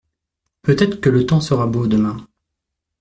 Peut-être que le temps sera beau demain.